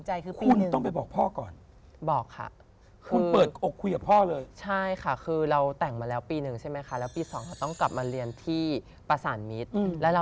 หนูก็คงจะแต่งอย่างนี้แหละ